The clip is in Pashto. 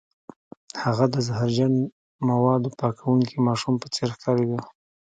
هغه د زهرجن موادو پاکوونکي ماشوم په څیر ښکاریده